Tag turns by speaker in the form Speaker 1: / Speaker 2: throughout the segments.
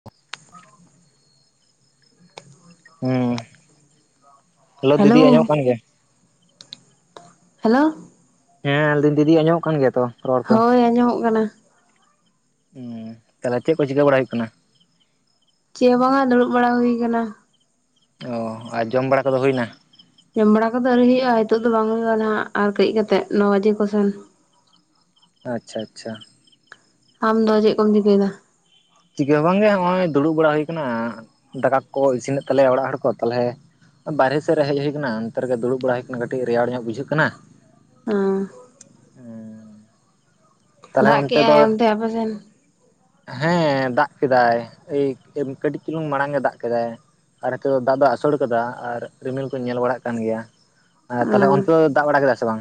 Speaker 1: [unintelligible] ᱦᱮᱸ, ᱦᱮᱞᱳ ᱫᱤᱫᱤ ᱟᱸᱡᱚᱢᱚᱜ ᱠᱟᱱ ᱜᱮᱭᱟ ᱾
Speaker 2: ᱦᱮᱞᱳ
Speaker 1: ᱦᱮᱸ ᱞᱟᱹᱭ ᱫᱤᱧ ᱫᱤᱫᱤ ᱟᱧᱡᱚᱢᱚᱜ ᱠᱟᱱ ᱜᱮᱭᱟ ᱛᱚ ᱾
Speaker 2: ᱦᱳᱭ ᱟᱸᱡᱚᱢᱚᱜ ᱠᱟᱱᱟ ᱾
Speaker 1: ᱦᱩᱸ, ᱛᱟᱦᱚᱞᱮ ᱪᱮᱫ ᱠᱚ ᱪᱤᱠᱟᱹ ᱵᱟᱲᱟ ᱦᱩᱭᱩᱜ ᱠᱟᱱᱟ?
Speaker 2: ᱪᱮᱦᱚᱸ ᱵᱟᱝᱟ ᱫᱩᱲᱩᱵ ᱵᱟᱲᱟ ᱦᱩᱭ ᱠᱟᱱᱟ ᱾
Speaker 1: ᱚ ᱟᱨ ᱡᱚᱢ ᱵᱟᱲᱟ ᱠᱚᱫᱚ ᱦᱩᱭ ᱱᱟ?
Speaker 2: ᱡᱚᱢ ᱵᱟᱲᱟ ᱠᱚᱫᱚ ᱟᱹᱣᱨᱤ ᱦᱩᱭᱩᱜᱼᱟ ᱱᱤᱛᱚᱜ ᱫᱚ ᱵᱟᱝ ᱦᱩᱭᱩᱜᱼᱟ ᱱᱟᱦᱟᱜ, ᱟᱨ ᱠᱟᱹᱡ ᱠᱟᱛᱮᱜ ᱱᱚ ᱵᱟᱡᱮ ᱠᱚᱥᱮᱱ ᱾
Speaker 1: ᱟᱪᱪᱷᱟ ᱟᱪᱪᱷᱟ ᱾
Speaker 2: ᱟᱢ ᱫᱚ ᱪᱮᱫ ᱠᱚᱢ ᱪᱤᱠᱟᱹᱭᱮᱫᱟ?
Speaker 1: ᱪᱤᱠᱟᱹ ᱦᱚᱸ ᱵᱟᱝᱜᱮ ᱱᱚᱜ-ᱚᱭ ᱫᱩᱲᱩᱵ ᱵᱟᱲᱟ ᱦᱩᱭ ᱠᱟᱱᱟ, ᱫᱟᱠᱟ ᱠᱚᱠᱚ ᱤᱥᱤᱱ ᱮᱫ ᱛᱟᱞᱮᱭᱟ ᱚᱲᱟᱜ ᱦᱚᱲ ᱠᱚ ᱾ ᱛᱟᱞᱦᱮᱼᱼ ᱵᱟᱭᱨᱮ ᱥᱮᱫ ᱨᱮ ᱦᱮᱡ ᱦᱩᱭ ᱠᱟᱱᱟ ᱚᱱᱛᱮ ᱨᱮᱜᱮ ᱫᱩᱲᱩᱵ ᱵᱟᱲᱟ ᱦᱩᱭ ᱠᱟᱱᱟ ᱠᱟᱹᱴᱤᱡ ᱨᱮᱭᱟᱲ ᱧᱚᱜ ᱵᱩᱡᱷᱟᱹᱜ ᱠᱟᱱᱟ
Speaker 2: ᱩᱸ
Speaker 1: ᱛᱟᱞᱦᱮ
Speaker 2: ᱫᱟᱜ
Speaker 1: ᱚᱱᱛᱮ ᱫᱚ
Speaker 2: ᱠᱮᱜᱼᱟᱭ ᱟᱯᱮ ᱥᱮᱱ
Speaker 1: ᱦᱮᱸ ᱫᱟᱜ ᱠᱮᱫᱟᱭ ᱮᱭ ᱠᱟᱹᱴᱤᱡ ᱪᱩᱞᱩᱝ ᱢᱟᱲᱟᱝ ᱮ ᱫᱟᱜ ᱠᱮᱫᱟᱭ ᱟᱨ ᱦᱤᱛᱚᱜ ᱫᱚ ᱫᱟᱜ ᱫᱚ ᱟᱥᱳᱲ ᱠᱟᱫᱟ ᱟᱨ ᱨᱤᱢᱤᱞ ᱠᱚ ᱧᱮᱞ ᱵᱟᱲᱟᱜ ᱠᱟᱱ ᱜᱮᱭᱟ ᱟᱨ ᱛᱟᱞᱦᱮ ᱚᱱᱛᱮ ᱫᱚ ᱫᱟᱜ ᱵᱟᱲᱟ ᱠᱮᱫᱟ ᱥᱮ ᱵᱟᱝ?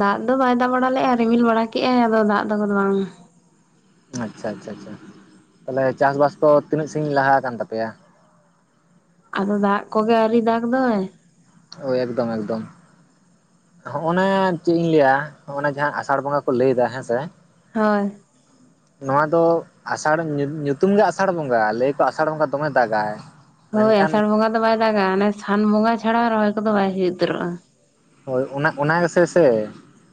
Speaker 2: ᱫᱟᱜ ᱫᱚ ᱵᱟᱭ ᱫᱟᱜ ᱵᱟᱲᱟ ᱞᱮᱫᱼᱟ ᱨᱤᱢᱤᱞ ᱵᱟᱲᱟ ᱠᱮᱫ ᱟᱭ ᱟᱫᱚ ᱫᱟᱜ ᱫᱚ ᱠᱚᱫᱚ ᱵᱟᱝ
Speaker 1: ᱟᱪᱪᱷᱟ ᱪᱷᱟ ᱪᱷᱟ ᱛᱟᱦᱚᱞᱮ ᱪᱟᱥ ᱵᱟᱥ ᱠᱚ ᱛᱤᱱᱟᱹᱜ ᱥᱟᱹᱜᱤᱧ ᱞᱟᱦᱟ ᱟᱠᱟᱱ ᱛᱟᱯᱮᱭᱟ
Speaker 2: ᱟᱫᱚ ᱫᱟᱜ ᱠᱚᱜᱮ ᱟᱣᱨᱤ ᱫᱟᱜᱽ ᱫᱚᱭ
Speaker 1: ᱮᱠᱫᱚᱢ ᱮᱠᱫᱚᱢ ᱦᱚᱜᱼᱚᱱᱮ ᱪᱮᱫ ᱤᱧ ᱞᱟᱹᱭᱟ ᱦᱚᱜ-ᱚ ᱱᱮ ᱡᱟᱦᱟᱸ ᱟᱥᱟᱲ ᱵᱚᱸᱜᱟ ᱠᱚ ᱞᱟᱹᱭ ᱫᱟ ᱦᱮᱸ ᱥᱮ
Speaker 2: ᱦᱚᱭ
Speaker 1: ᱱᱚᱣᱟ ᱫᱚ ᱟᱥᱟᱲ ᱧᱩ ᱧᱩᱛᱩᱢ ᱜᱮ ᱟᱥᱟᱲ ᱵᱚᱸᱜᱟ ᱞᱟᱹᱭ ᱟᱠᱚ ᱟᱥᱟᱲ ᱵᱚᱸᱜᱟ ᱫᱚᱢᱮ ᱫᱟᱜᱟᱭ
Speaker 2: ᱦᱳᱭ
Speaker 1: ᱢᱮᱱᱠᱷᱟᱱ
Speaker 2: ᱟᱥᱟᱲ ᱵᱚᱸᱜᱟ ᱫᱚ ᱵᱟᱭ ᱫᱟᱜᱟ ᱚᱱᱮ ᱥᱟᱱ ᱵᱚᱸᱜᱟ ᱪᱷᱟᱲᱟ ᱨᱚᱦᱚᱭ ᱠᱚᱫᱚ ᱵᱟᱭ ᱦᱩᱭ ᱩᱛᱟᱹᱨᱚᱜᱼᱟ
Speaker 1: ᱦᱳᱭ ᱚᱱᱟ ᱚᱱᱟ ᱜᱮᱥᱮ ᱥᱮ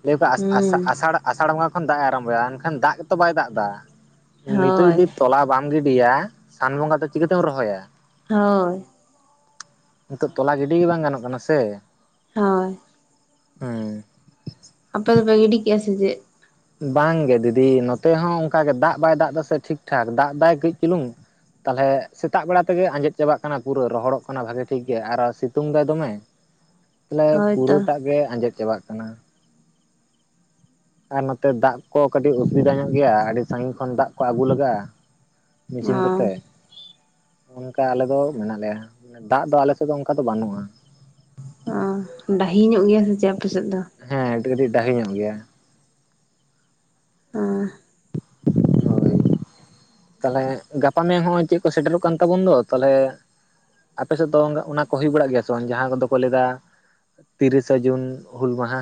Speaker 1: ᱞᱟᱹᱭ ᱟᱠᱚ ᱟᱥ ᱟᱥ
Speaker 2: ᱦᱩᱸ
Speaker 1: ᱟᱥᱟᱲ ᱟᱥᱟᱲ ᱵᱚᱸᱜᱟ ᱠᱷᱚᱱ ᱫᱟᱜ ᱮ ᱟᱨᱟᱢᱵᱚᱭᱟ ᱮᱱᱠᱷᱟᱱ ᱫᱟᱜ ᱜᱮᱛᱚ ᱵᱟᱭ ᱫᱟᱜ ᱫᱟ ᱱᱤᱛᱚᱜ
Speaker 2: ᱦᱳᱭ
Speaker 1: ᱫᱚ ᱛᱚᱞᱟ ᱵᱟᱝ ᱜᱤᱰᱤᱭᱟ ᱥᱟᱱ ᱵᱚᱸᱜᱟ ᱫᱚ ᱪᱤᱠᱟᱹ ᱛᱮᱢ ᱨᱚᱦᱚᱭᱟ
Speaker 2: ᱦᱳᱭ
Speaker 1: ᱱᱤᱛᱚᱜ ᱛᱚᱞᱟ ᱜᱤᱰᱤ ᱜᱮ ᱵᱟᱝ ᱜᱟᱱᱚᱜ ᱠᱟᱱᱟ ᱥᱮ
Speaker 2: ᱦᱳᱭ
Speaker 1: ᱩᱸ
Speaker 2: ᱟᱯᱮ ᱫᱚᱯᱮ ᱜᱤᱰᱤ ᱠᱮᱜ-ᱟ ᱥᱮ ᱪᱮᱫ?
Speaker 1: ᱵᱟᱝ ᱜᱮ ᱫᱤᱫᱤ ᱱᱚᱛᱮ ᱦᱚᱸ ᱚᱝᱠᱟᱜᱮ ᱫᱟᱜ ᱵᱟᱭ ᱫᱟᱜ ᱫᱟᱥᱮ ᱴᱷᱤᱠ ᱴᱷᱟᱠ ᱫᱟᱜ ᱫᱟᱭ ᱠᱟᱹᱡ ᱪᱩᱞᱩᱝ ᱛᱟᱞᱦᱮ ᱥᱮᱛᱟᱜ ᱵᱮᱲᱟ ᱛᱮᱜᱮ ᱟᱸᱡᱮᱫ ᱪᱟᱵᱟᱜ ᱠᱟᱱᱟ ᱯᱩᱨᱟᱹ ᱨᱚᱦᱚᱲᱚᱜ ᱠᱟᱱᱟ ᱵᱷᱟᱜᱮ ᱴᱷᱤᱠ ᱜᱮ ᱟᱨᱚ ᱥᱤᱛᱩᱝ ᱫᱟᱭ ᱫᱚᱢᱮ ᱛᱟᱞᱮ
Speaker 2: ᱦᱳᱭᱛᱚ
Speaker 1: ᱯᱩᱨᱟᱹᱴᱟᱜ ᱜᱮ ᱟᱸᱡᱮᱫ ᱪᱟᱵᱟᱜ ᱠᱟᱱᱟ ᱟᱨ ᱱᱚᱛᱮ ᱫᱟᱜ ᱠᱚ ᱠᱟᱹᱴᱤᱡ ᱚᱥᱵᱤᱫᱟ ᱧᱚᱜ ᱜᱮᱭᱟ ᱟᱹᱰᱤ ᱥᱟᱜᱤᱧ ᱠᱷᱚᱱ ᱫᱟᱜ ᱠᱚ ᱟᱹᱜᱩ ᱞᱟᱜᱟᱜᱼᱟ
Speaker 2: ᱚ
Speaker 1: ᱢᱤᱥᱤᱱ ᱠᱚᱛᱮ ᱚᱝᱠᱟ ᱟᱞᱮ ᱫᱚ ᱢᱮᱱᱟᱜ ᱞᱮᱭᱟ ᱫᱟᱜ ᱫᱚ ᱟᱞᱮ ᱥᱮᱫ ᱫᱚ ᱚᱱᱠᱟ ᱫᱚ ᱵᱟᱹᱱᱩᱜᱼᱟ
Speaker 2: ᱚ ᱰᱟᱹᱦᱤ ᱧᱚᱜ ᱜᱮᱭᱟ ᱥᱮ ᱪᱮᱫ ᱟᱯᱮᱥᱮᱫ ᱫᱚ
Speaker 1: ᱦᱮᱸ ᱱᱚᱛᱮ ᱠᱟᱹᱴᱤᱡ ᱰᱟᱦᱤ ᱧᱚᱜ ᱜᱮᱭᱟ
Speaker 2: ᱚ
Speaker 1: ᱦᱳᱭ ᱛᱟᱞᱦᱮ ᱜᱟᱯᱟ ᱢᱮᱭᱟᱝ ᱦᱚᱸᱚᱭ ᱪᱮᱫ ᱠᱚ ᱥᱮᱴᱮᱨᱚᱜ ᱠᱟᱱ ᱛᱟᱵᱚᱱ ᱫᱚ ᱛᱟᱞᱦᱮ ᱟᱯᱮᱥᱮᱫ ᱫᱚ ᱚᱝᱜ ᱚᱱᱟ ᱠᱚ ᱦᱳᱭ ᱵᱟᱲᱟᱜ ᱜᱮᱭᱟ ᱥᱮ ᱵᱟᱝ ᱡᱟᱦᱟᱸ ᱠᱚᱫᱚ ᱠᱚ ᱞᱮ. ᱫᱟ ᱛᱤᱨᱤᱥᱟ ᱡᱩᱱ ᱦᱩᱞ ᱢᱟᱦᱟ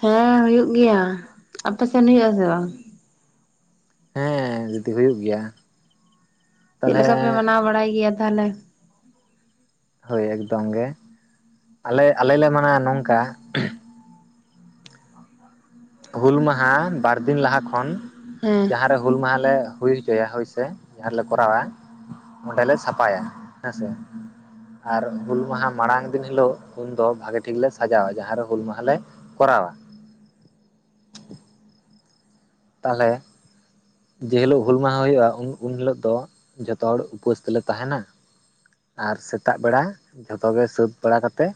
Speaker 2: ᱦᱮᱸ ᱦᱩᱭᱩᱜ ᱜᱮᱭᱟ ᱟᱯᱮ ᱥᱮᱱ ᱦᱩᱭᱩᱜ ᱟ ᱥᱮ ᱵᱟᱝ
Speaker 1: ᱦᱮᱸ ᱫᱤᱫᱤ ᱦᱩᱭᱩᱜ ᱜᱮᱭᱟ
Speaker 2: ᱪᱮᱫ
Speaker 1: ᱛᱟᱦᱚᱞᱮ
Speaker 2: ᱞᱮᱠᱟ ᱯᱮ ᱢᱟᱱᱟᱣ ᱵᱟᱲᱟᱭ ᱜᱮᱭᱟ ᱛᱟᱦᱚᱞᱮ
Speaker 1: ᱦᱳᱭ ᱮᱠᱫᱚᱢ ᱜᱮ ᱟᱞᱮ ᱟᱞᱮ ᱞᱮ ᱢᱟᱱᱟᱣ-ᱟ ᱱᱚᱝᱠᱟ ᱦᱩᱞ ᱢᱟᱦᱟ ᱵᱟᱨᱫᱤᱱ ᱞᱟᱦᱟ ᱠᱷᱚᱱ
Speaker 2: ᱦᱮᱸ?
Speaker 1: ᱡᱟᱦᱟᱸ ᱨᱮ ᱦᱩᱞ ᱢᱟᱦᱟᱞ ᱞᱮ ᱦᱩᱭ ᱦᱚᱪᱚᱭᱟ ᱦᱳᱭ ᱥᱮ ᱡᱟᱦᱟᱸ ᱨᱮᱞᱮ ᱠᱚᱨᱟᱣᱟ ᱚᱸᱰᱮᱞᱮ ᱥᱟᱯᱷᱟᱭᱟ ᱦᱮᱸᱥᱮ ᱟᱨ ᱦᱩᱞ ᱢᱟᱦᱟ ᱢᱟᱲᱟᱝ ᱫᱤᱱ ᱦᱤᱞᱳᱜ ᱩᱱᱫᱚ ᱵᱷᱟᱜᱮ ᱴᱷᱤᱠᱞᱮ ᱥᱟᱡᱟᱣᱟ ᱡᱟᱦᱟᱸᱨᱮ ᱦᱩᱞ ᱢᱟᱦᱟᱞᱮ ᱠᱚᱨᱟᱣᱟ ᱛᱟᱞᱦᱮ ᱡᱮᱦᱤᱞᱳᱜ ᱦᱩᱞ ᱢᱟᱦᱟ ᱦᱳᱭᱳᱜᱼᱟ ᱩᱱ-ᱩᱱ ᱦᱤᱞᱳᱜ ᱫᱚ ᱡᱷᱚᱛᱚ ᱦᱚᱲ ᱩᱯᱟᱹᱥ ᱛᱮᱞᱮ ᱛᱟᱦᱮᱱᱟ ᱟᱨ ᱥᱮᱛᱟᱜ ᱵᱮᱲᱟ ᱡᱷᱚᱛᱚ ᱜᱮ ᱥᱟᱹᱛ ᱵᱟᱲᱟᱠᱟᱛᱮ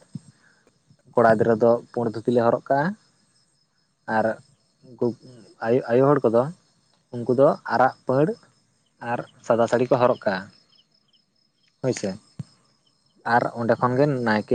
Speaker 1: ᱠᱚᱲᱟ ᱜᱤᱫᱽᱨᱟᱹ ᱫᱚ ᱯᱳᱲ ᱫᱷᱩᱛᱤ ᱞᱮ ᱦᱚᱨᱚᱜ ᱠᱟᱜᱼᱟ ᱟᱨ ᱩᱱᱠᱩ ᱟᱭ ᱟᱭᱳ ᱟᱭᱳ ᱦᱚᱲ ᱠᱚᱫᱚ ᱩᱱᱠᱩ ᱫᱚ ᱟᱨᱟᱜ ᱯᱟᱹᱲ ᱟᱨ ᱥᱟᱫᱟ ᱥᱟᱹᱲᱤ ᱠᱚ ᱦᱚᱨᱚᱜ ᱠᱟᱜᱼᱟ ᱦᱳᱭᱥᱮ ᱟᱨ ᱚᱸᱰᱮ ᱠᱷᱚᱱ ᱜᱮ ᱱᱟᱭᱠᱮ